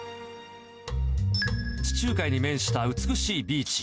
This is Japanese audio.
地中海に面した美しいビーチ。